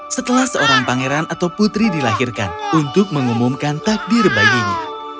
setelah seorang pangeran atau putri dilahirkan untuk mengumumkan takdir baginya